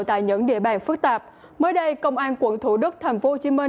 tại những địa bàn phức tạp mới đây công an quận thủ đức tp hcm